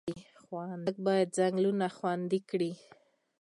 خلک باید ځنګلونه خوندي کړي.